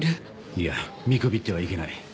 いや見くびってはいけない。